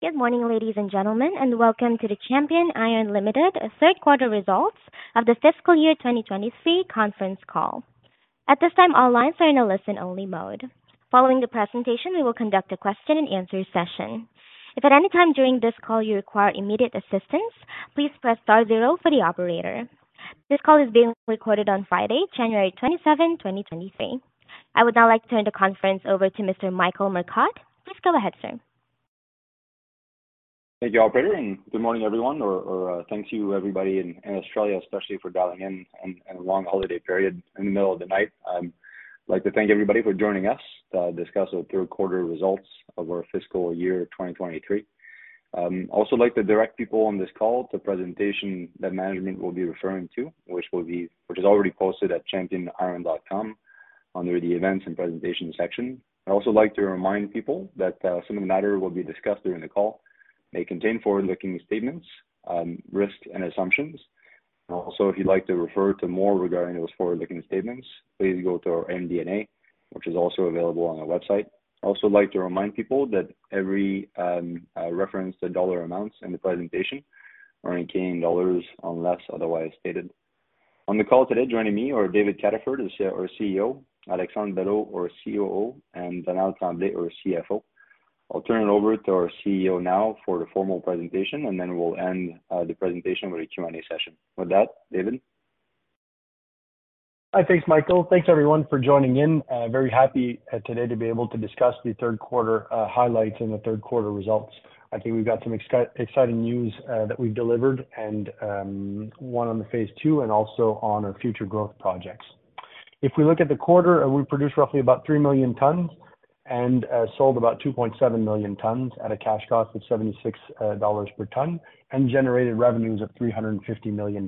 Good morning, ladies and gentlemen, and welcome to the Champion Iron Limited third quarter results of the fiscal year 2023 conference call. At this time, all lines are in a listen-only mode. Following the presentation, we will conduct a question and answer session. If at any time during this call you require immediate assistance, please press star zero for the operator. This call is being recorded on Friday, January 27, 2023. I would now like to turn the conference over to Mr. Michael Marcotte. Please go ahead, sir. Thank you, operator, and good morning, everyone, or, thank you everybody in Australia, especially for dialing in on a long holiday period in the middle of the night. I'd like to thank everybody for joining us to discuss our third quarter results of our fiscal year 2023. Also like to direct people on this call to presentation that management will be referring to, which is already posted at championiron.com under the Events and Presentation section. I'd also like to remind people that some of the matter will be discussed during the call may contain forward-looking statements, risks, and assumptions. Also, if you'd like to refer to more regarding those forward-looking statements, please go to our MD&A, which is also available on our website. I also like to remind people that every reference to dollar amounts in the presentation are in Canadian dollars, unless otherwise stated. On the call today, joining me are David Cataford, our CEO, Alexandre Belleau, our COO, and Donald Tremblay, our CFO. I'll turn it over to our CEO now for the formal presentation, and then we'll end the presentation with a Q&A session. With that, David. Hi. Thanks, Michael. Thanks, everyone for joining in. Very happy today to be able to discuss the third quarter highlights and the third quarter results. I think we've got some exciting news that we've delivered and one on the phase II and also on our future growth projects. If we look at the quarter, we produced roughly about 3 million tons and sold about 2.7 million tons at a cash cost of $76 per ton and generated revenues of $350 million.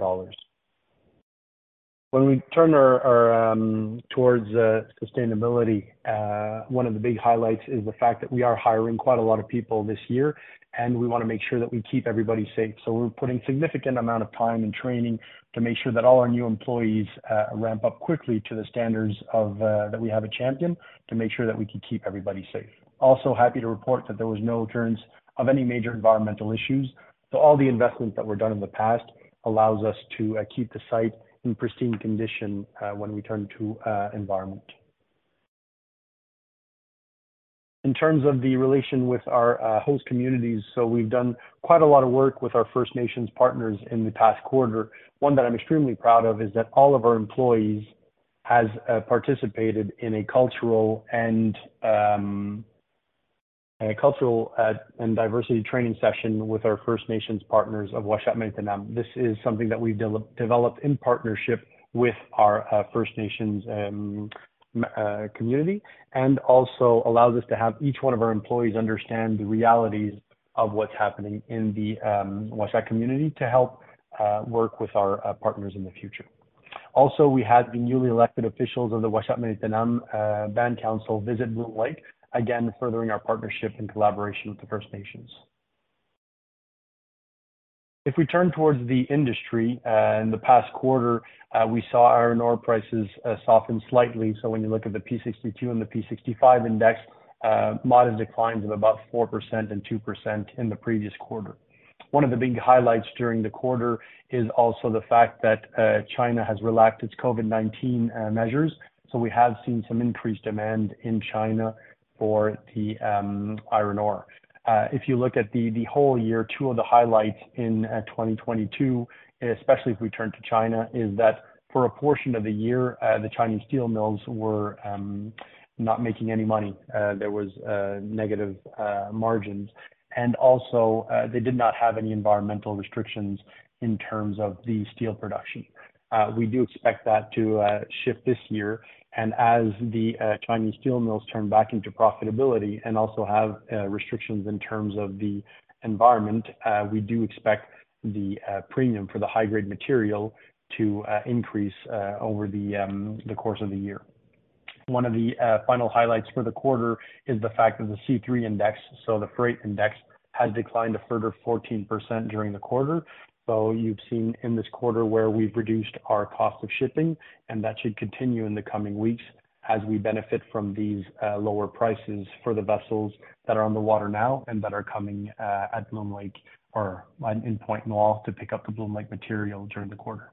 When we turn our towards sustainability, one of the big highlights is the fact that we are hiring quite a lot of people this year, and we wanna make sure that we keep everybody safe. We're putting significant amount of time and training to make sure that all our new employees ramp up quickly to the standards that we have at Champion to make sure that we can keep everybody safe. Also happy to report that there was no occurrence of any major environmental issues. All the investments that were done in the past allows us to keep the site in pristine condition when we turn to environment. In terms of the relation with our host communities, we've done quite a lot of work with our First Nations partners in the past quarter. One that I'm extremely proud of is that all of our employees has participated in a cultural and diversity training session with our First Nations partners of Uashuepanashun. This is something that we developed in partnership with our First Nations community. Also allows us to have each one of our employees understand the realities of what's happening in the Uashuepanashun community to help work with our partners in the future. Also, we had the newly elected officials of the Uashuepanashun Band Council visit Bloom Lake, again, furthering our partnership and collaboration with the First Nations. We turn towards the industry, in the past quarter, we saw iron ore prices soften slightly. When you look at the P62 and the P65 index, moderate declines of about 4% and 2% in the previous quarter. One of the big highlights during the quarter is also the fact that China has relaxed its COVID-19 measures. We have seen some increased demand in China for the iron ore. If you look at the whole year, two of the highlights in 2022, especially if we turn to China, is that for a portion of the year, the Chinese steel mills were not making any money. There was negative margins. Also, they did not have any environmental restrictions in terms of the steel production. We do expect that to shift this year. As the Chinese steel mills turn back into profitability and also have restrictions in terms of the environment, we do expect the premium for the high-grade material to increase over the course of the year. One of the final highlights for the quarter is the fact that the C3 index, so the freight index, has declined a further 14% during the quarter. You've seen in this quarter where we've reduced our cost of shipping, and that should continue in the coming weeks as we benefit from these lower prices for the vessels that are on the water now and that are coming at Bloom Lake or in Pointe-Noire to pick up the Bloom Lake material during the quarter.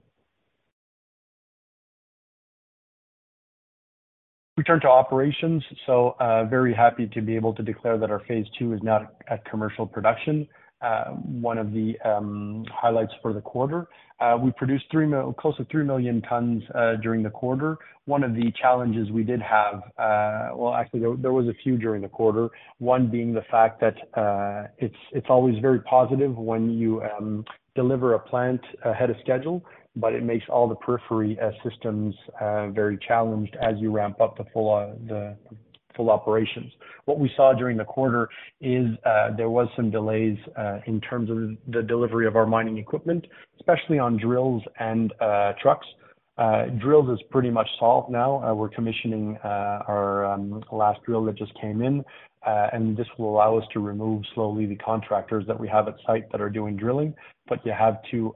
We turn to operations. Very happy to be able to declare that our phase II is now at commercial production, one of the highlights for the quarter. We produced close to 3 million tons during the quarter. One of the challenges we did have, well, actually, there was a few during the quarter. One being the fact that, it's always very positive when you deliver a plant ahead of schedule, but it makes all the periphery systems very challenged as you ramp up the full operations. What we saw during the quarter is, there was some delays in terms of the delivery of our mining equipment, especially on drills and trucks. Drills is pretty much solved now. We're commissioning our last drill that just came in. This will allow us to remove slowly the contractors that we have at site that are doing drilling. You have to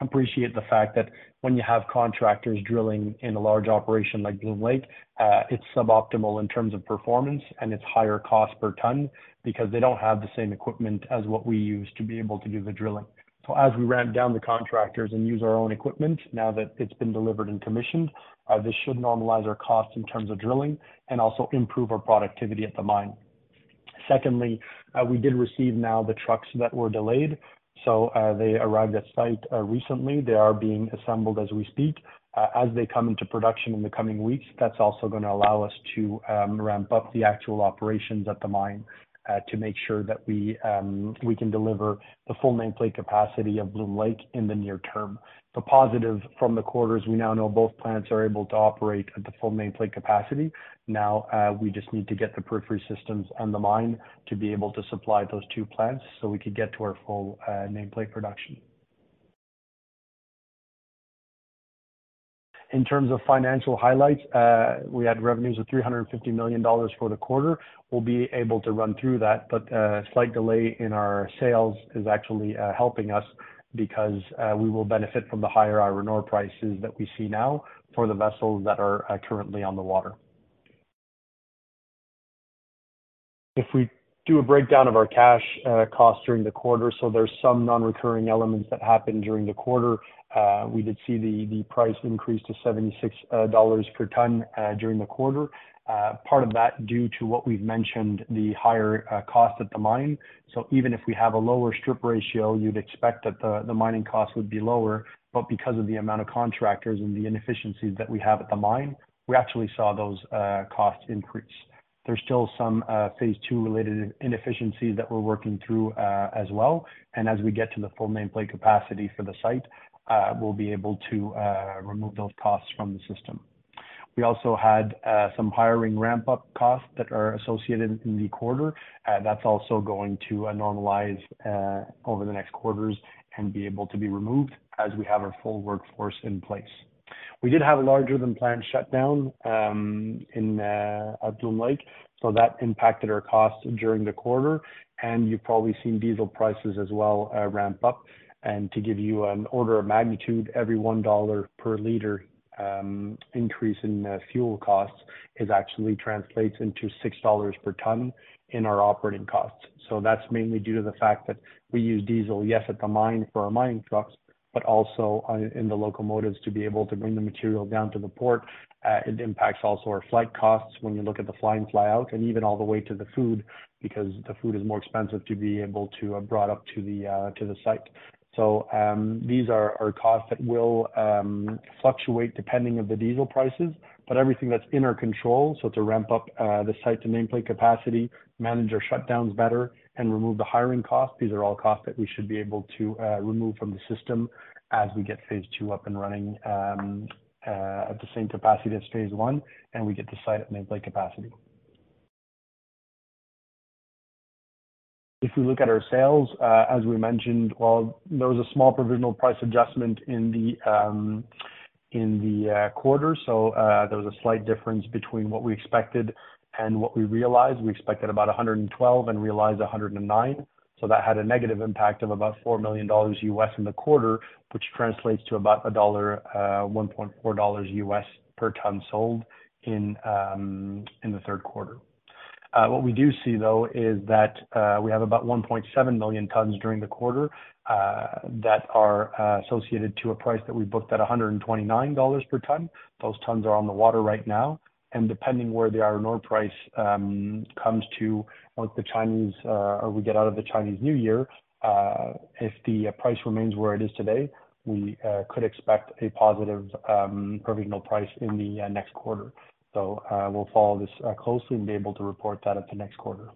appreciate the fact that when you have contractors drilling in a large operation like Bloom Lake, it's suboptimal in terms of performance, and it's higher cost per ton because they don't have the same equipment as what we use to be able to do the drilling. As we ramp down the contractors and use our own equipment, now that it's been delivered and commissioned, this should normalize our costs in terms of drilling and also improve our productivity at the mine. Secondly, we did receive now the trucks that were delayed, they arrived at site recently. They are being assembled as we speak. As they come into production in the coming weeks, that's also gonna allow us to ramp up the actual operations at the mine to make sure that we can deliver the full nameplate capacity of Bloom Lake in the near term. The positive from the quarter is we now know both plants are able to operate at the full nameplate capacity. Now, we just need to get the periphery systems on the mine to be able to supply those two plants so we could get to our full nameplate production. In terms of financial highlights, we had revenues of $350 million for the quarter. We'll be able to run through that, a slight delay in our sales is actually helping us because we will benefit from the higher iron ore prices that we see now for the vessels that are currently on the water. If we do a breakdown of our cash costs during the quarter, there's some non-recurring elements that happened during the quarter. We did see the price increase to $76 per ton during the quarter. Part of that due to what we've mentioned, the higher cost at the mine. Even if we have a lower strip ratio, you'd expect that the mining costs would be lower. Because of the amount of contractors and the inefficiencies that we have at the mine, we actually saw those costs increase. There's still some phase II-related inefficiencies that we're working through as well. As we get to the full nameplate capacity for the site, we'll be able to remove those costs from the system. We also had some hiring ramp-up costs that are associated in the quarter. That's also going to normalize over the next quarters and be able to be removed as we have our full workforce in place. We did have a larger-than-planned shutdown in at Bloom Lake, so that impacted our costs during the quarter. You've probably seen diesel prices as well ramp up. To give you an order of magnitude, every 1 dollar per liter increase in fuel costs is actually translates into 6 dollars per ton in our operating costs. That's mainly due to the fact that we use diesel, yes, at the mine for our mining trucks, but also in the locomotives to be able to bring the material down to the port. It impacts also our flight costs when you look at the fly in, fly out, and even all the way to the food, because the food is more expensive to be able to brought up to the site. These are costs that will fluctuate depending of the diesel prices. Everything that's in our control, so to ramp up the site to nameplate capacity, manage our shutdowns better and remove the hiring costs, these are all costs that we should be able to remove from the system as we get phase III up and running at the same capacity as phase I, and we get the site at nameplate capacity. If we look at our sales, as we mentioned, well, there was a small provisional price adjustment in the quarter. There was a slight difference between what we expected and what we realized. We expected about $112 and realized $109. That had a negative impact of about $4 million US in the quarter, which translates to about $1, $1.4 US per ton sold in the third quarter. What we do see, though, is that we have about 1.7 million tons during the quarter that are associated to a price that we booked at $129 per ton. Those tons are on the water right now, and depending where the iron ore price comes to once the Chinese or we get out of the Chinese New Year, if the price remains where it is today, we could expect a positive provisional price in the next quarter. We'll follow this closely and be able to report that at the next quarter.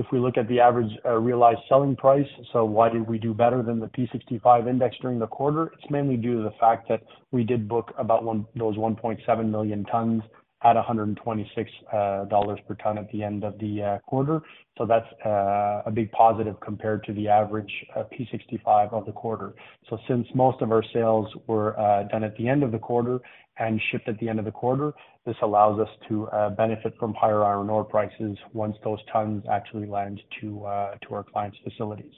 If we look at the average, realized selling price, why did we do better than the P65 index during the quarter? It's mainly due to the fact that we did book about those 1.7 million tons at $126 per ton at the end of the quarter. That's a big positive compared to the average P65 of the quarter. Since most of our sales were done at the end of the quarter and shipped at the end of the quarter, this allows us to benefit from higher iron ore prices once those tons actually land to our clients' facilities.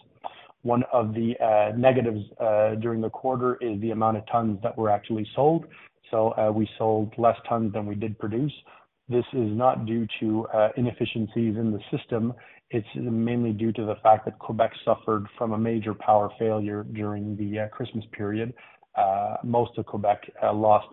One of the negatives during the quarter is the amount of tons that were actually sold. We sold less tons than we did produce. This is not due to inefficiencies in the system. It's mainly due to the fact that Quebec suffered from a major power failure during the Christmas period. Most of Quebec lost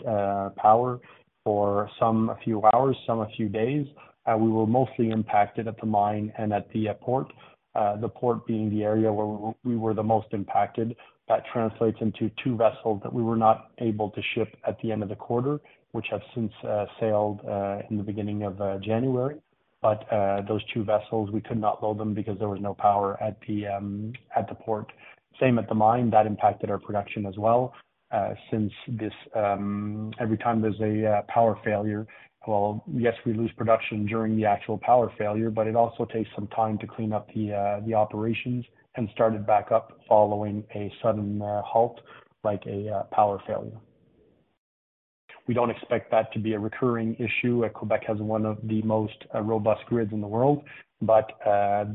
power for some, a few hours, some, a few days. We were mostly impacted at the mine and at the port, the port being the area where we were the most impacted. That translates into two vessels that we were not able to ship at the end of the quarter, which have since sailed in the beginning of January. Those two vessels, we could not load them because there was no power at the port. Same at the mine. That impacted our production as well. Since this, every time there's a power failure, well, yes, we lose production during the actual power failure, but it also takes some time to clean up the operations and start it back up following a sudden halt, like a power failure. We don't expect that to be a recurring issue, Quebec has one of the most robust grids in the world.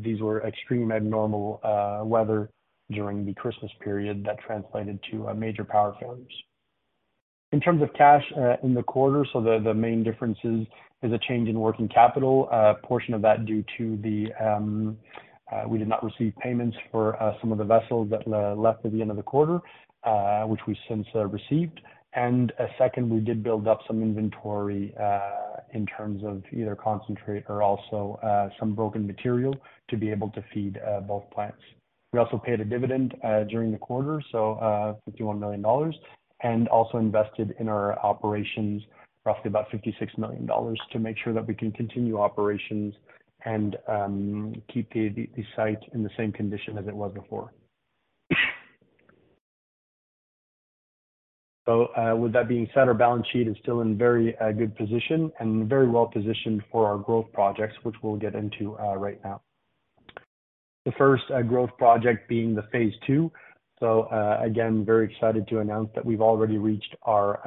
These were extreme abnormal weather during the Christmas period that translated to a major power failures. In terms of cash in the quarter, the main difference is a change in working capital. A portion of that due to we did not receive payments for some of the vessels that left at the end of the quarter, which we since have received. Second, we did build up some inventory, in terms of either concentrate or also, some broken material to be able to feed, both plants. We also paid a dividend, during the quarter, 51 million dollars and also invested in our operations, roughly about 56 million dollars to make sure that we can continue operations and, keep the site in the same condition as it was before. With that being said, our balance sheet is still in very, good position and very well positioned for our growth projects, which we'll get into, right now. The first, growth project being the phase II. Again, very excited to announce that we've already reached our,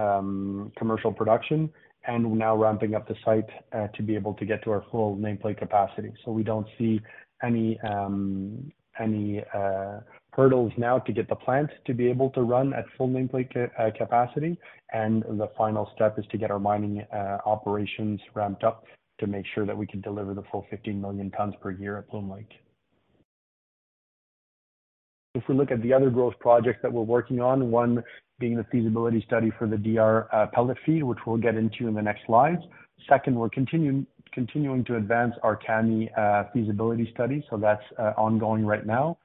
commercial production and now ramping up the site, to be able to get to our full nameplate capacity. We don't see any hurdles now to get the plant to be able to run at full nameplate capacity. The final step is to get our mining operations ramped up to make sure that we can deliver the full 15 million tons per year at Bloom Lake. If we look at the other growth projects that we're working on, one being the feasibility study for the DR pellet feed, which we'll get into in the next slides. Second, we're continuing to advance our Kami feasibility study. That's ongoing right now.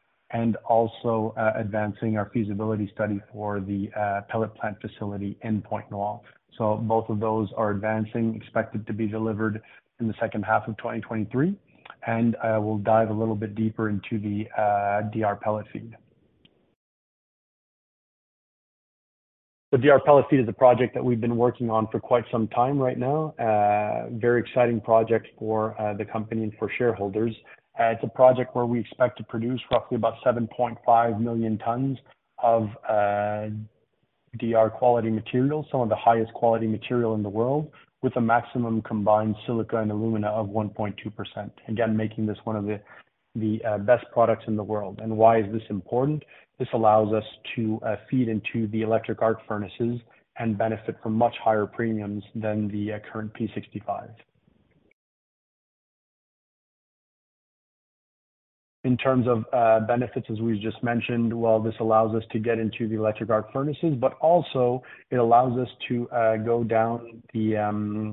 Also, advancing our feasibility study for the pellet plant facility in Pointe-Noire. Both of those are advancing, expected to be delivered in the second half of 2023. We'll dive a little bit deeper into the DR pellet feed. The DR pellet feed is a project that we've been working on for quite some time right now. Very exciting project for the company and for shareholders. It's a project where we expect to produce roughly about 7.5 million tons of DR quality material, some of the highest quality material in the world, with a maximum combined silica and alumina of 1.2%. Again, making this one of the best products in the world. Why is this important? This allows us to feed into the electric arc furnaces and benefit from much higher premiums than the current P65. In terms of benefits, as we just mentioned, while this allows us to get into the electric arc furnaces, but also it allows us to go down the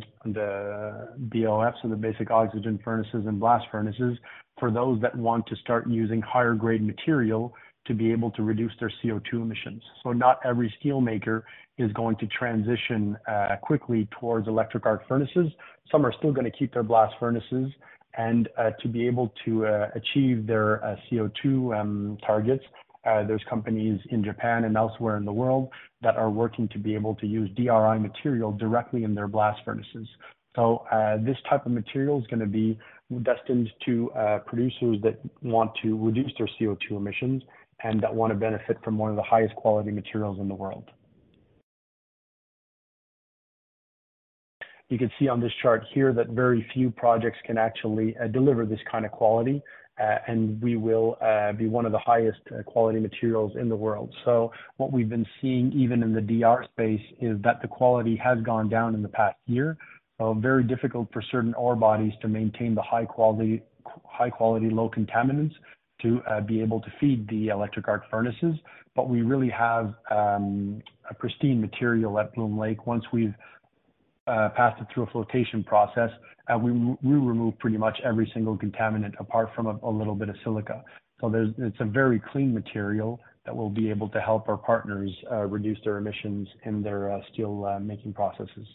BOFs or the basic oxygen furnaces and blast furnaces for those that want to start using higher grade material to be able to reduce their CO₂ emissions. Not every steelmaker is going to transition quickly towards electric arc furnaces. Some are still gonna keep their blast furnaces and to be able to achieve their CO₂ targets, there's companies in Japan and elsewhere in the world that are working to be able to use DRI material directly in their blast furnaces. This type of material is gonna be destined to producers that want to reduce their CO₂ emissions and that wanna benefit from one of the highest quality materials in the world. You can see on this chart here that very few projects can actually deliver this kind of quality, and we will be one of the highest quality materials in the world. What we've been seeing even in the DR space is that the quality has gone down in the past year. Very difficult for certain ore bodies to maintain the high quality, low contaminants to be able to feed the electric arc furnaces. We really have a pristine material at Bloom Lake. Once we've passed it through a flotation process, we remove pretty much every single contaminant apart from a little bit of silica. It's a very clean material that will be able to help our partners reduce their emissions in their steel making processes.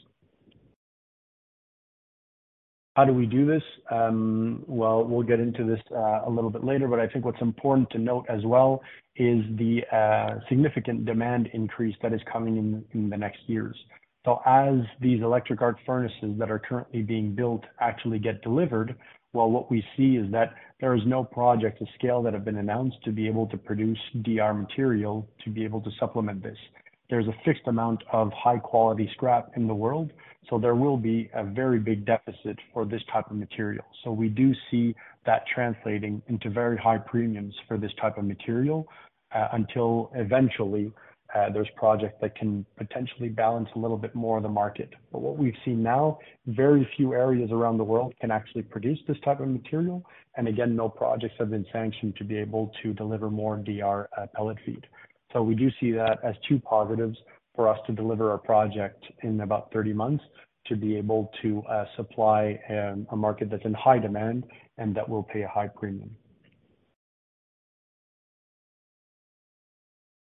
How do we do this? Well, we'll get into this a little bit later, but I think what's important to note as well is the significant demand increase that is coming in the next years. As these electric arc furnaces that are currently being built actually get delivered, well, what we see is that there is no project of scale that have been announced to be able to produce DR material to be able to supplement this. There's a fixed amount of high-quality scrap in the world, so there will be a very big deficit for this type of material. We do see that translating into very high premiums for this type of material until eventually there's projects that can potentially balance a little bit more of the market. What we've seen now, very few areas around the world can actually produce this type of material. Again, no projects have been sanctioned to be able to deliver more DR pellet feed. We do see that as 2 positives for us to deliver our project in about 30 months, to be able to supply a market that's in high demand and that will pay a high premium.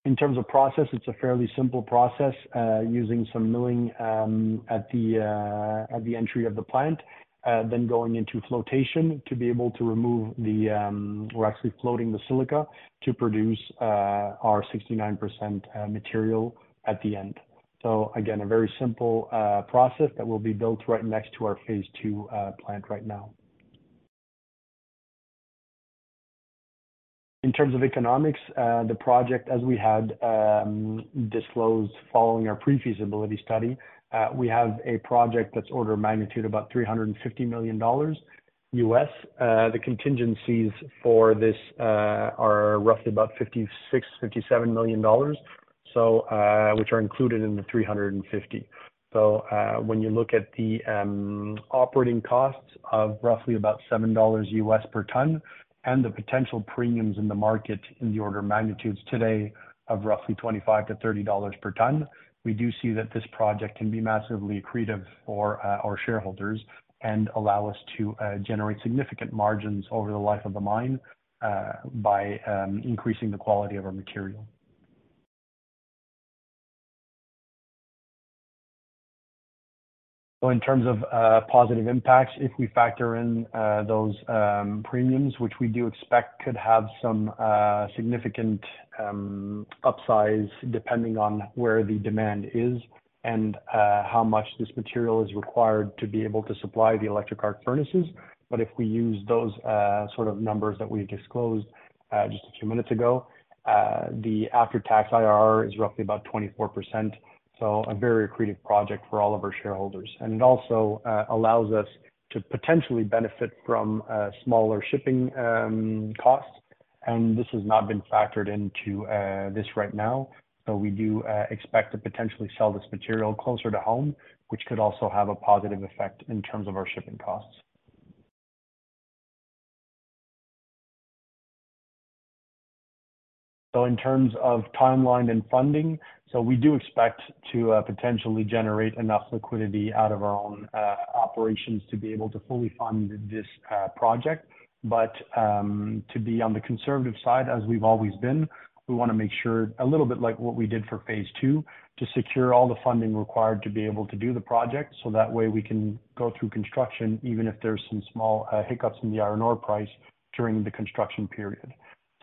In terms of process, it's a fairly simple process, using some milling at the entry of the plant, then going into flotation to be able to remove the, actually floating the silica to produce our 69% material at the end. Again, a very simple process that will be built right next to our phase II plant right now. In terms of economics, the project as we had disclosed following our pre-feasibility study, we have a project that's order of magnitude about $350 million. The contingencies for this are roughly about $56 million-$57 million, which are included in the 350. When you look at the operating costs of roughly about $7 per ton, and the potential premiums in the market in the order of magnitudes today of roughly $25-$30 per ton, we do see that this project can be massively accretive for our shareholders and allow us to generate significant margins over the life of the mine by increasing the quality of our material. In terms of positive impacts, if we factor in those premiums, which we do expect could have some significant upsize depending on where the demand is and how much this material is required to be able to supply the electric arc furnaces. If we use those sort of numbers that we disclosed just a few minutes ago, the after-tax IRR is roughly about 24%, so a very accretive project for all of our shareholders. It also allows us to potentially benefit from smaller shipping costs. This has not been factored into this right now, but we do expect to potentially sell this material closer to home, which could also have a positive effect in terms of our shipping costs. In terms of timeline and funding, we do expect to potentially generate enough liquidity out of our own operations to be able to fully fund this project. To be on the conservative side, as we've always been, we wanna make sure, a little bit like what we did for phase II, to secure all the funding required to be able to do the project, so that way we can go through construction even if there's some small hiccups in the iron ore price during the construction period.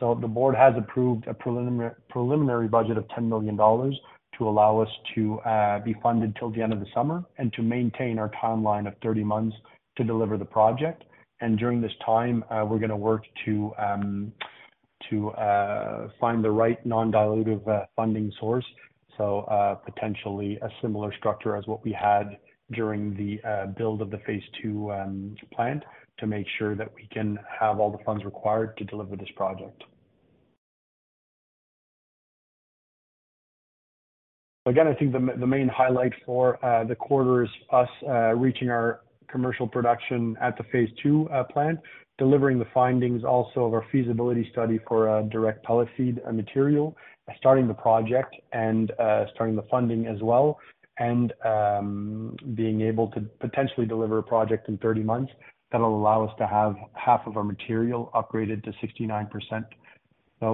The board has approved a preliminary budget of 10 million dollars to allow us to be funded till the end of the summer and to maintain our timeline of 30 months to deliver the project. During this time, we're gonna work to find the right non-dilutive funding source. Potentially a similar structure as what we had during the build of the phase II plant to make sure that we can have all the funds required to deliver this project. Again, I think the main highlight for the quarter is us reaching our commercial production at the phase II plant, delivering the findings also of our feasibility study for DR pellet feed material, starting the project and starting the funding as well, and being able to potentially deliver a project in 30 months that'll allow us to have half of our material upgraded to 69%.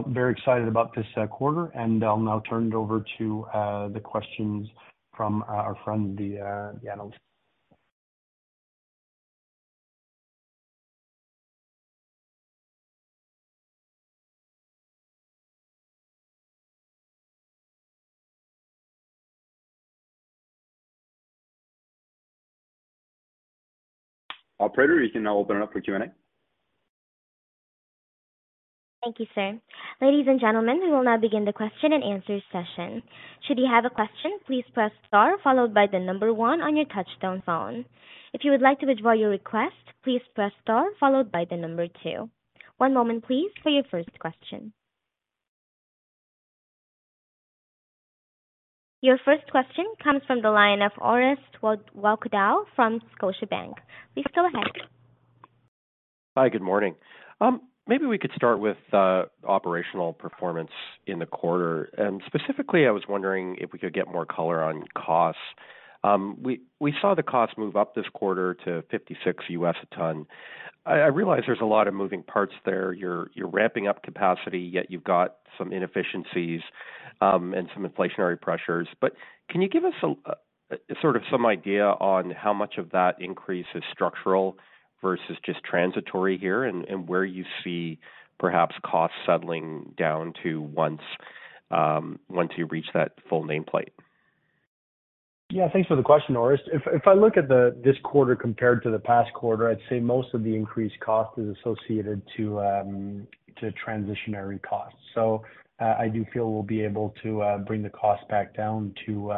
Very excited about this quarter, and I'll now turn it over to the questions from our, from the analysts. Operator, you can now open it up for Q&A. Thank you, sir. Ladies and gentlemen, we will now begin the question and answer session. Should you have a question, please press star 1 on your touchtone phone. If you would like to withdraw your request, please press star 2. One moment please for your first question. Your first question comes from the line of Orest Wowkodaw from Scotiabank. Please go ahead. Hi, good morning. Maybe we could start with operational performance in the quarter. Specifically, I was wondering if we could get more color on costs. We saw the costs move up this quarter to $56 a ton. I realize there's a lot of moving parts there. You're ramping up capacity, yet you've got some inefficiencies, and some inflationary pressures. Can you give us some sort of some idea on how much of that increase is structural versus just transitory here, and where you see perhaps costs settling down to once you reach that full nameplate? Yeah, thanks for the question, Orest. If I look at this quarter compared to the past quarter, I'd say most of the increased cost is associated to transitionary costs. I do feel we'll be able to bring the cost back down to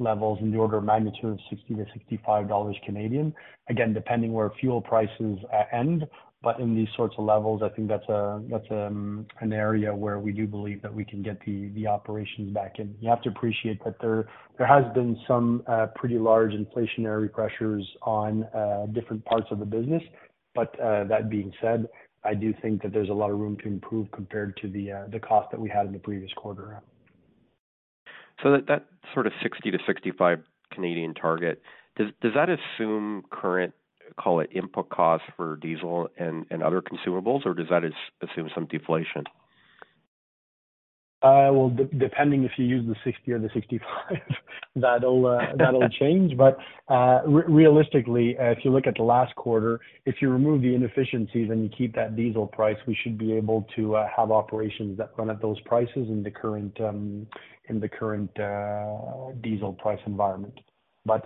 levels in the order of magnitude of 60-65 Canadian dollars. Again, depending where fuel prices end, but in these sorts of levels, I think that's an area where we do believe that we can get the operations back in. You have to appreciate that there has been some pretty large inflationary pressures on different parts of the business. That being said, I do think that there's a lot of room to improve compared to the cost that we had in the previous quarter. That sort of 60-65 target, does that assume current, call it input costs for diesel and other consumables, or does that assume some deflation? Well, depending if you use the 60 or the 65, that'll change. Realistically, if you look at the last quarter, if you remove the inefficiencies and you keep that diesel price, we should be able to have operations that run at those prices in the current, in the current diesel price environment.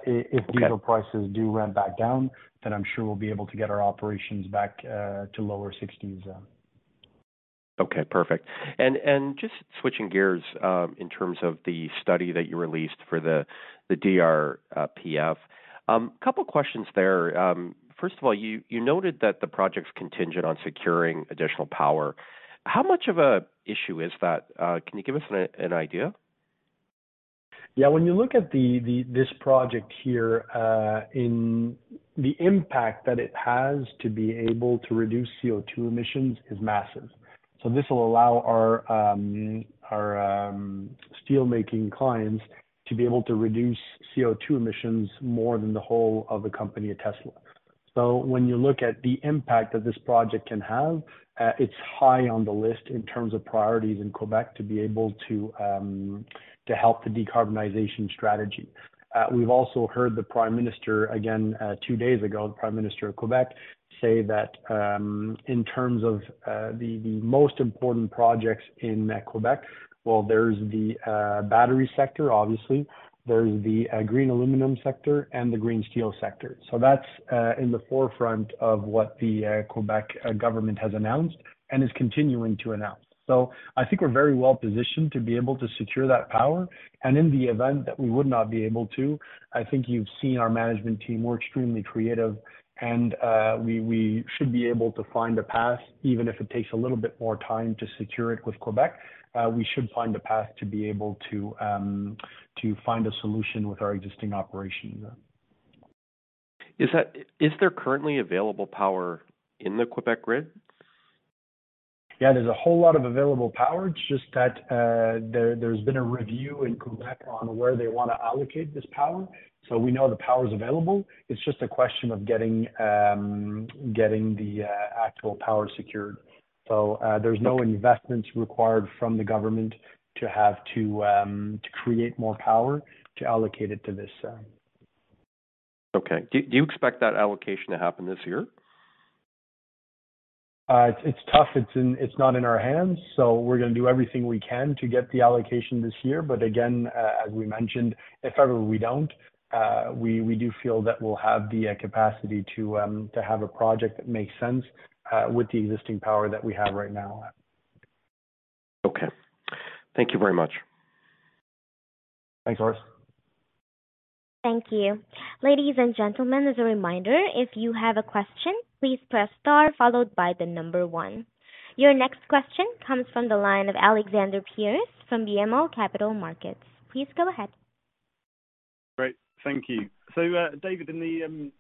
If diesel prices do ramp back down, then I'm sure we'll be able to get our operations back to lower 60s. Okay, perfect. Just switching gears, in terms of the study that you released for the DRPF. Couple of questions there. First of all, you noted that the project's contingent on securing additional power. How much of a issue is that? Can you give us an idea? Yeah. When you look at this project here, in the impact that it has to be able to reduce CO₂ emissions is massive. This will allow our steelmaking clients to be able to reduce CO₂ emissions more than the whole of the company at Tesla. When you look at the impact that this project can have, it's high on the list in terms of priorities in Quebec to be able to help the decarbonization strategy. We've also heard the Prime Minister again, two days ago, the Prime Minister of Quebec, say that in terms of the most important projects in Quebec, well, there's the battery sector obviously, there's the green aluminum sector and the green steel sector. That's in the forefront of what the Quebec government has announced and is continuing to announce. I think we're very well-positioned to be able to secure that power. In the event that we would not be able to, I think you've seen our management team, we're extremely creative and we should be able to find a path, even if it takes a little bit more time to secure it with Quebec. We should find a path to be able to find a solution with our existing operations. Is there currently available power in the Quebec grid? Yeah, there's a whole lot of available power. It's just that there's been a review in Quebec on where they wanna allocate this power. We know the power is available. It's just a question of getting the actual power secured. There's no investments required from the government to have to create more power to allocate it to this. Okay. Do you expect that allocation to happen this year? It's tough. It's not in our hands, we're gonna do everything we can to get the allocation this year. Again, as we mentioned, if ever we don't, we do feel that we'll have the capacity to have a project that makes sense with the existing power that we have right now. Okay. Thank you very much. Thanks, Orest. Thank you. Ladies and gentlemen, as a reminder, if you have a question, please press star followed by the number 1. Your next question comes from the line of Alexander Pearce from BMO Capital Markets. Please go ahead. Great. Thank you. David, in the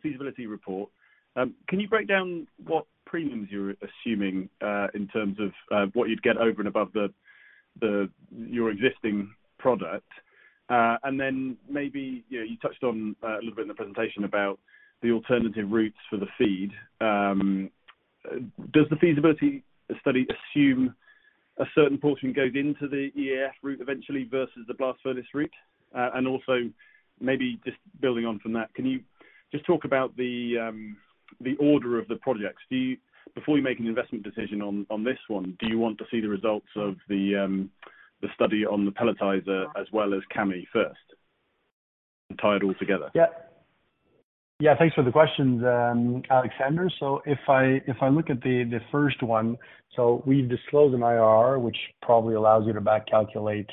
feasibility report, can you break down what premiums you're assuming in terms of what you'd get over and above your existing product? Then maybe, you know, you touched on a little bit in the presentation about the alternative routes for the feed. Does the feasibility study assume a certain portion goes into the EAF route eventually versus the blast furnace route? Also maybe just building on from that, can you just talk about the order of the projects? Before you make an investment decision on this one, do you want to see the results of the study on the pelletizer as well as Kami first and tie it all together? Yeah. Yeah, thanks for the questions, Alexander. If I, if I look at the first one, we've disclosed an IRR, which probably allows you to back calculate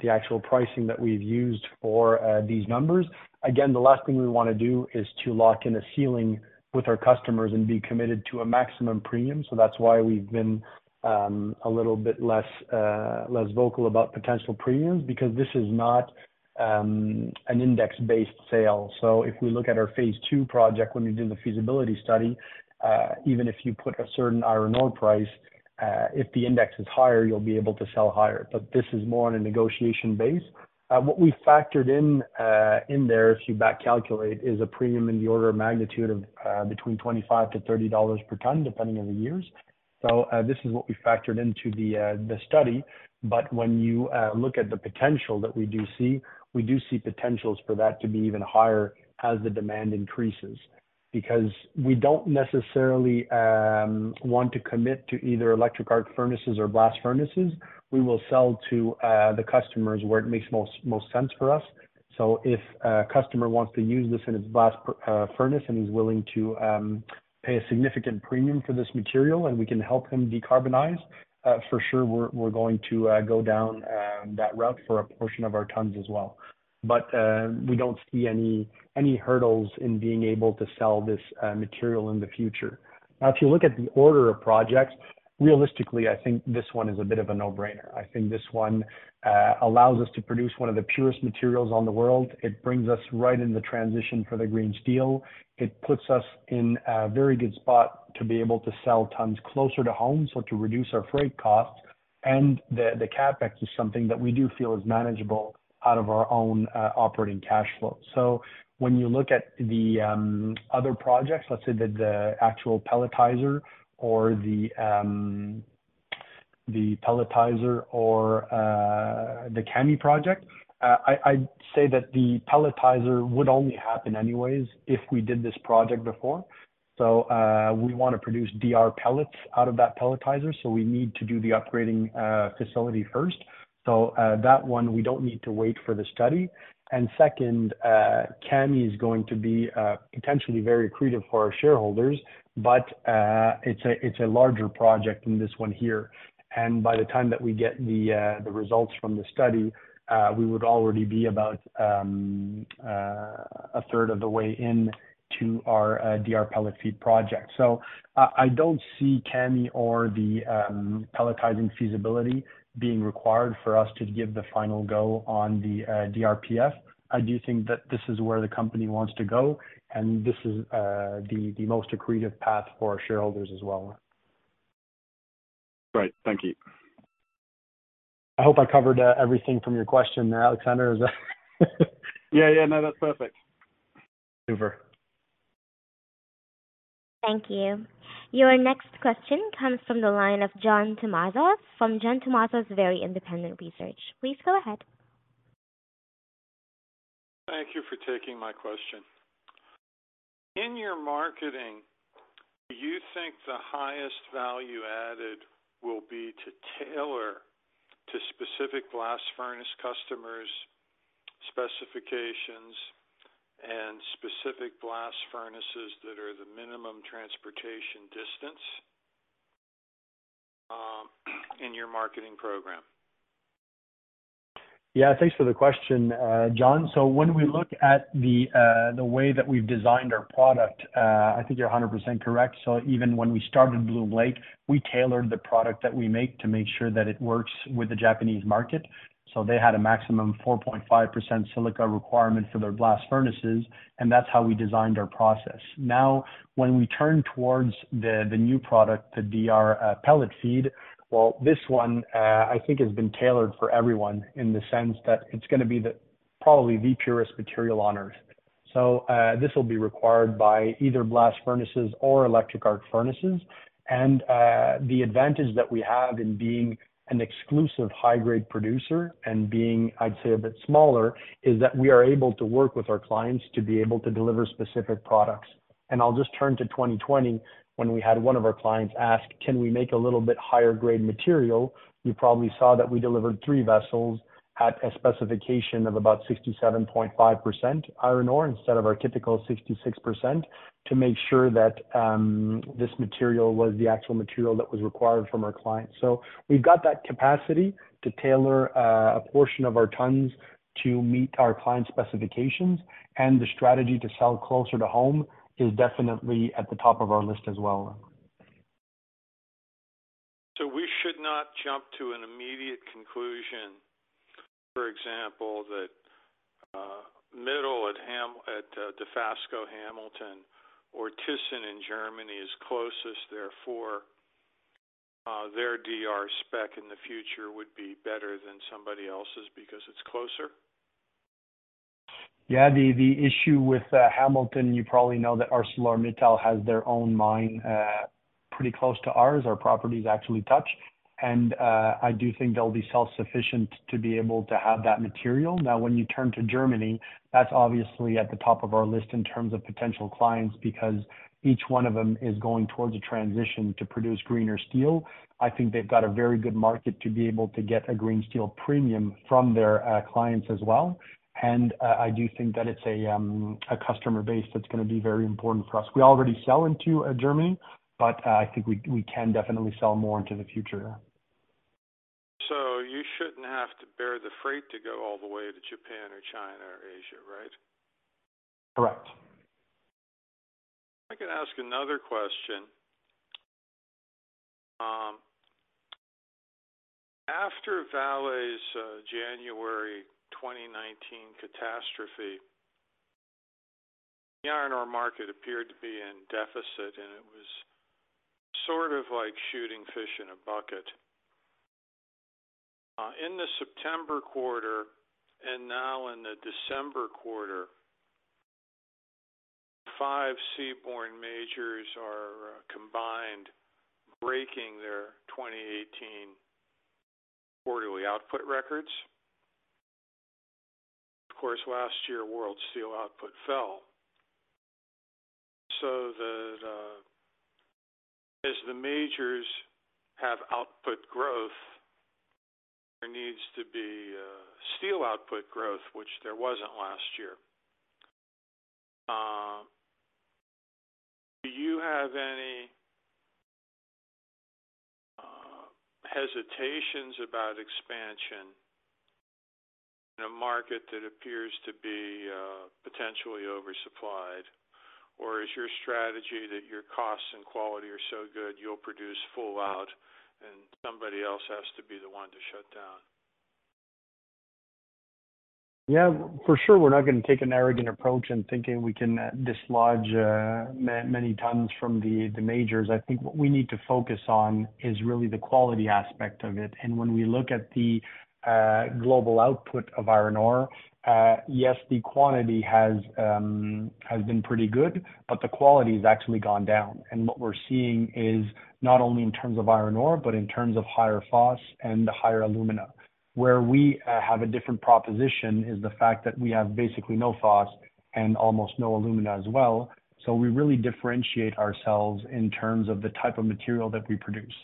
the actual pricing that we've used for these numbers. Again, the last thing we want to do is to lock in a ceiling with our customers and be committed to a maximum premium. That's why we've been a little bit less less vocal about potential premiums because this is not an index-based sale. If we look at our phase II project, when we do the feasibility study, even if you put a certain iron ore price, if the index is higher, you'll be able to sell higher. This is more on a negotiation base. What we factored in there, if you back calculate, is a premium in the order of magnitude of, between 25-30 dollars per ton, depending on the years. This is what we factored into the study. When you look at the potential that we do see, we do see potentials for that to be even higher as the demand increases. We don't necessarily want to commit to either electric arc furnaces or blast furnaces. We will sell to, the customers where it makes most sense for us. If a customer wants to use this in his blast furnace and he's willing to pay a significant premium for this material and we can help him decarbonize, for sure, we're going to go down that route for a portion of our tons as well. We don't see any hurdles in being able to sell this material in the future. If you look at the order of projects, realistically, I think this one is a bit of a no-brainer. I think this one allows us to produce one of the purest materials on the world. It brings us right in the transition for the green steel. It puts us in a very good spot to be able to sell tons closer to home, so to reduce our freight costs. The CapEx is something that we do feel is manageable out of our own operating cash flow. When you look at the other projects, let's say the actual pelletizer or the pelletizer or the KAMI project. I'd say that the pelletizer would only happen anyways if we did this project before. We wanna produce DR pellets out of that pelletizer, so we need to do the upgrading facility first. That one, we don't need to wait for the study. Second, KAMI is going to be potentially very accretive for our shareholders, but it's a larger project than this one here. By the time that we get the results from the study, we would already be about a third of the way in to our DR pellet feed project. I don't see Kami or the pelletizing feasibility being required for us to give the final go on the DRPF. I do think that this is where the company wants to go, and this is the most accretive path for our shareholders as well. Right. Thank you. I hope I covered everything from your question there, Alexander. Yeah. No, that's perfect. Super. Thank you. Your next question comes from the line of John Tumazos from John Tumazos Very Independent Research. Please go ahead. Thank you for taking my question. In your marketing, do you think the highest value added will be to tailor to specific blast furnace customers' specifications and specific blast furnaces that are the minimum transportation distance, in your marketing program? Thanks for the question, John. When we look at the way that we've designed our product, I think you're 100% correct. Even when we started Bloom Lake, we tailored the product that we make to make sure that it works with the Japanese market. They had a maximum 4.5% silica requirement for their blast furnaces, and that's how we designed our process. When we turn towards the new product, the DR pellet feed, this one, I think has been tailored for everyone in the sense that it's gonna be the probably the purest material on Earth. This will be required by either blast furnaces or electric arc furnaces. The advantage that we have in being an exclusive high-grade producer and being, I'd say, a bit smaller, is that we are able to work with our clients to be able to deliver specific products. I'll just turn to 2020, when we had one of our clients ask, "Can we make a little bit higher grade material?" You probably saw that we delivered 3 vessels at a specification of about 67.5% iron ore instead of our typical 66% to make sure that this material was the actual material that was required from our clients. We've got that capacity to tailor a portion of our tons to meet our clients' specifications, and the strategy to sell closer to home is definitely at the top of our list as well. We should not jump to an immediate conclusion, for example, that ArcelorMittal at Dofasco Hamilton or Thyssenkrupp in Germany is closest, therefore, their DR spec in the future would be better than somebody else's because it's closer? Yeah. The issue with Hamilton, you probably know that ArcelorMittal has their own mine pretty close to ours. Our properties actually touch. I do think they'll be self-sufficient to be able to have that material. Now, when you turn to Germany, that's obviously at the top of our list in terms of potential clients because each one of them is going towards a transition to produce greener steel. I think they've got a very good market to be able to get a green steel premium from their clients as well. I do think that it's a customer base that's gonna be very important for us. We already sell into Germany, I think we can definitely sell more into the future. You shouldn't have to bear the freight to go all the way to Japan or China or Asia, right? Correct. If I can ask another question. After Vale's, January 2019 catastrophe, the iron ore market appeared to be in deficit, and it was sort of like shooting fish in a bucket. In the September quarter and now in the December quarter, 5 seaborne majors are combined breaking their 2018 quarterly output records. Of course, last year, world steel output fell. As the majors have output growth, there needs to be steel output growth, which there wasn't last year. Do you have any hesitations about expansion in a market that appears to be potentially oversupplied? Is your strategy that your costs and quality are so good you'll produce full out and somebody else has to be the one to shut down? Yeah. For sure, we're not gonna take an arrogant approach in thinking we can dislodge many tons from the majors. I think what we need to focus on is really the quality aspect of it. When we look at the global output of iron ore, yes, the quantity has been pretty good, but the quality has actually gone down. What we're seeing is not only in terms of iron ore but in terms of higher phos and higher alumina. Where we have a different proposition is the fact that we have basically no phos and almost no alumina as well. We really differentiate ourselves in terms of the type of material that we produce.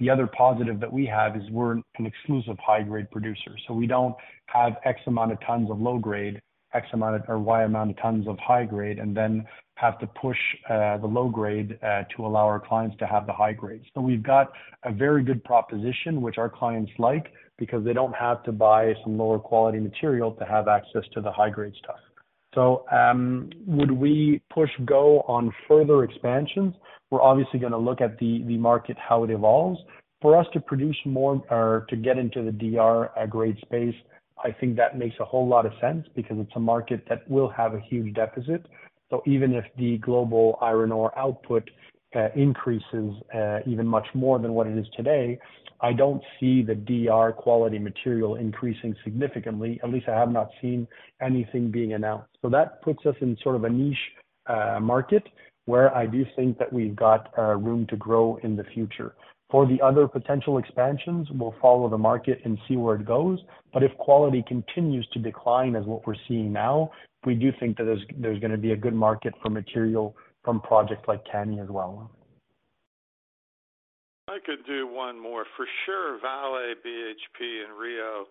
The other positive that we have is we're an exclusive high grade producer, we don't have X amount of tons of low grade, X amount or Y amount of tons of high grade, and then have to push the low grade to allow our clients to have the high grade. We've got a very good proposition, which our clients like, because they don't have to buy some lower quality material to have access to the high grade stuff. Would we push go on further expansions? We're obviously gonna look at the market, how it evolves. For us to produce more or to get into the DR grade space, I think that makes a whole lot of sense because it's a market that will have a huge deficit. Even if the global iron ore output, increases, even much more than what it is today, I don't see the DR quality material increasing significantly. At least I have not seen anything being announced. That puts us in sort of a niche, market where I do think that we've got, room to grow in the future. For the other potential expansions, we'll follow the market and see where it goes. If quality continues to decline as what we're seeing now, we do think that there's gonna be a good market for material from projects like Kami as well. I could do one more. For sure, Vale, BHP and Rio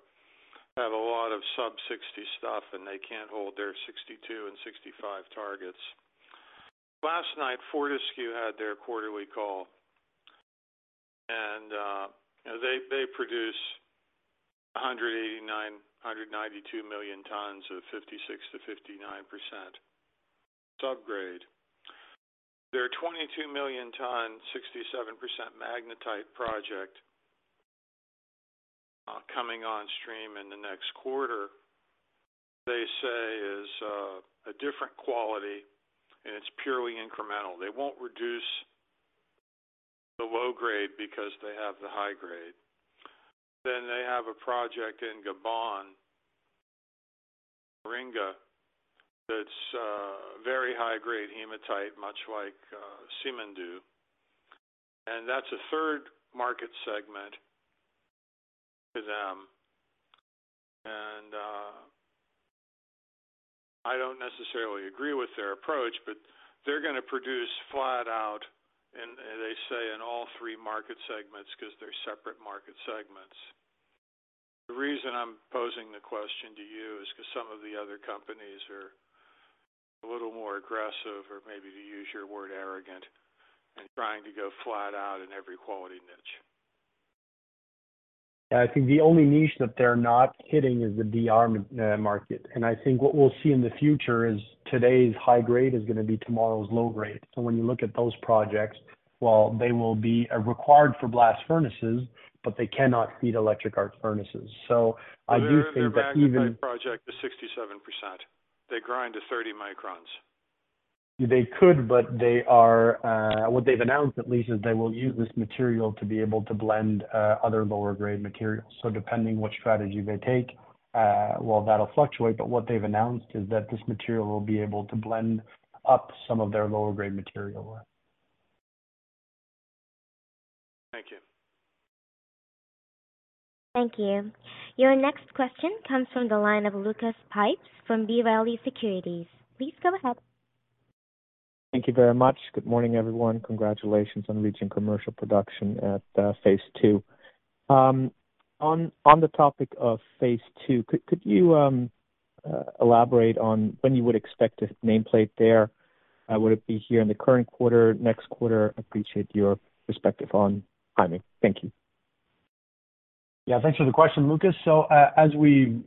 have a lot of sub 60 stuff, they can't hold their 62 and 65 targets. Last night, Fortescue had their quarterly call, they produce 189, 192 million tons of 56%-59% subgrade. Their 22 million ton, 67% magnetite project, coming on stream in the next quarter, they say is a different quality, it's purely incremental. They won't reduce the low grade because they have the high grade. They have a project in Gabon, Belinga, that's very high grade hematite, much like Simandou. That's a third market segment to them. I don't necessarily agree with their approach, they're gonna produce flat out, they say in all three market segments because they're separate market segments. The reason I'm posing the question to you is because some of the other companies are a little more aggressive, or maybe to use your word, arrogant, in trying to go flat out in every quality niche. I think the only niche that they're not hitting is the DR market. I think what we'll see in the future is today's high grade is gonna be tomorrow's low grade. When you look at those projects, while they will be required for blast furnaces, but they cannot feed electric arc furnaces. I do think that even- Their magnetite project is 67%. They grind to 30 microns. They could, they are. What they've announced at least, is they will use this material to be able to blend other lower grade materials. Depending what strategy they take, well, that'll fluctuate. What they've announced is that this material will be able to blend up some of their lower grade material. Thank you. Thank you. Your next question comes from the line of Lucas Pipes from B. Riley Securities. Please go ahead. Thank you very much. Good morning, everyone. Congratulations on reaching commercial production at phase II. On the topic of phase II, could you elaborate on when you would expect a nameplate there? Would it be here in the current quarter, next quarter? Appreciate your perspective on timing. Thank you. Yeah, thanks for the question, Lucas. As we've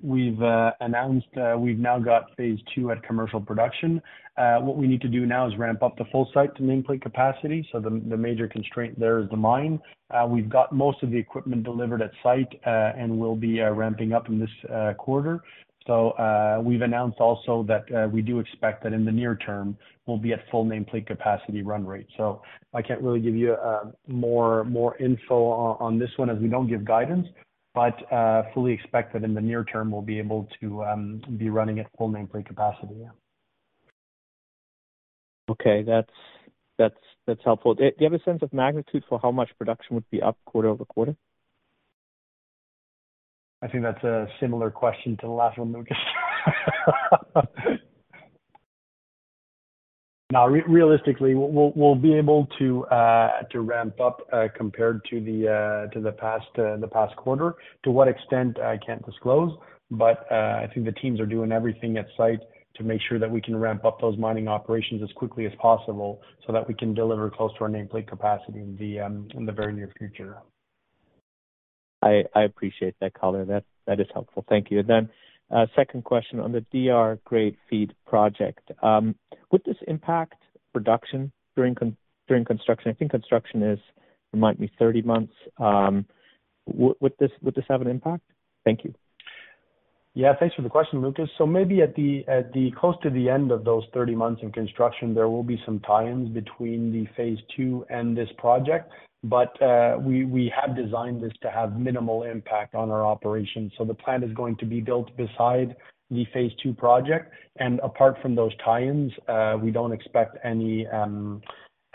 announced, we've now got phase II at commercial production. What we need to do now is ramp up the full site to nameplate capacity. The major constraint there is the mine. We've got most of the equipment delivered at site, and we'll be ramping up in this quarter. We've announced also that we do expect that in the near term, we'll be at full nameplate capacity run rate. I can't really give you more info on this one, as we don't give guidance, but fully expect that in the near term, we'll be able to be running at full nameplate capacity, yeah. Okay. That's helpful. Do you have a sense of magnitude for how much production would be up quarter over quarter? I think that's a similar question to the last one, Lucas. No. Realistically, we'll be able to ramp up, compared to the, to the past, the past quarter. To what extent I can't disclose, but, I think the teams are doing everything at site to make sure that we can ramp up those mining operations as quickly as possible so that we can deliver close to our nameplate capacity in the very near future. I appreciate that color. That is helpful. Thank you. Second question on the DR grade feed project. Would this impact production during construction? I think construction is, remind me, 30 months. Would this have an impact? Thank you. Yeah, thanks for the question, Lucas. Maybe at the close to the end of those 30 months in construction, there will be some tie-ins between the phase II and this project. We have designed this to have minimal impact on our operations. The plant is going to be built beside the phase II project, and apart from those tie-ins, we don't expect any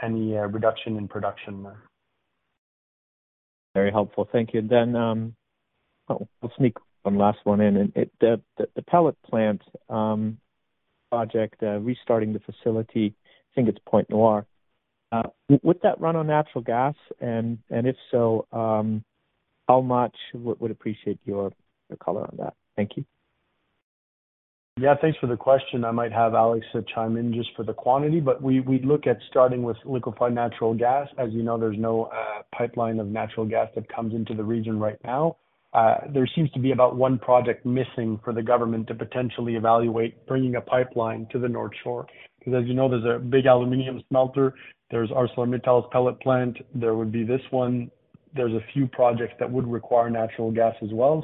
reduction in production. Very helpful. Thank you. We'll sneak one last one in. The pellet plant project restarting the facility, I think it's Pointe-Noire. Would that run on natural gas? If so, how much? Would appreciate your color on that. Thank you. Yeah, thanks for the question. I might have Alex chime in just for the quantity, but we look at starting with liquefied natural gas. As you know, there's no pipeline of natural gas that comes into the region right now. There seems to be about one project missing for the government to potentially evaluate bringing a pipeline to the North Shore. As you know, there's a big aluminum smelter, there's ArcelorMittal's pellet plant, there would be this one. There's a few projects that would require natural gas as well.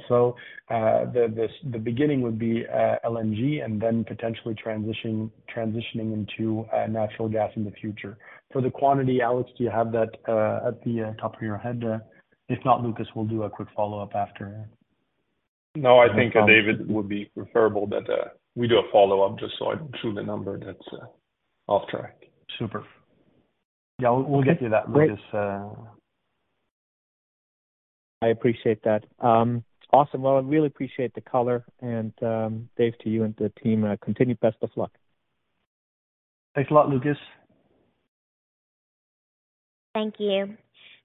The beginning would be LNG and then potentially transitioning into natural gas in the future. For the quantity, Alex, do you have that at the top of your head there? If not, Lucas, we'll do a quick follow-up after. No, I think, David, it would be preferable that we do a follow-up just so I don't chew the number that's off track. Superb. Yeah. We'll get you that, Lucas. I appreciate that. Awesome. I really appreciate the color and, Dave, to you and the team, continued best of luck. Thanks a lot, Lucas. Thank you.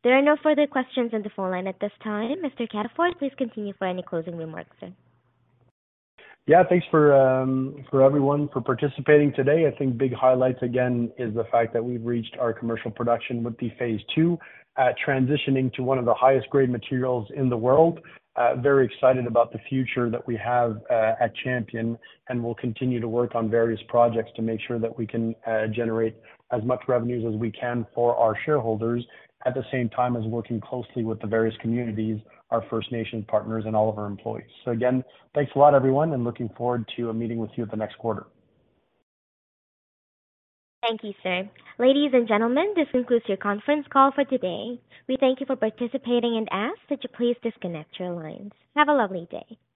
There are no further questions on the phone line at this time. Mr. Cataford, please continue for any closing remarks, sir. Thanks for everyone for participating today. I think big highlights again is the fact that we've reached our commercial production with the phase II, transitioning to one of the highest grade materials in the world. Very excited about the future that we have at Champion Iron, and we'll continue to work on various projects to make sure that we can generate as much revenues as we can for our shareholders. At the same time as working closely with the various communities, our First Nations partners, and all of our employees. Again, thanks a lot, everyone, and looking forward to meeting with you at the next quarter. Thank you, sir. Ladies and gentlemen, this concludes your conference call for today. We thank you for participating and ask that you please disconnect your lines. Have a lovely day.